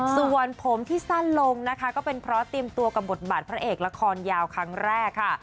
ส่วนผมที่สั้นลงนะคะก็เป็นเพราะเตรียมตัวกับบทบาทพระเอกละครยาวครั้งแรกค่ะ